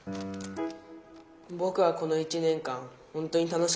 「ぼくはこの１年間本当に楽しかったです。